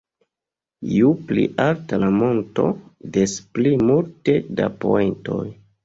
Ju pli alta la monto, des pli multe da poentoj.